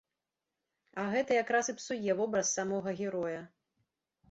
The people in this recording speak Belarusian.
А гэта якраз і псуе вобраз самога героя.